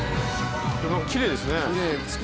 きれいですね。